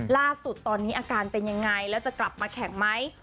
ล่าสุดตอนนี้อาการเป็นยังไงแล้วจะกลับมาแข่งไหม